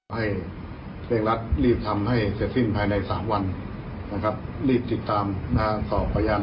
ให้เวรักษณ์รัฐรีบทำให้เสร็จสิ้นภายใน๓วัน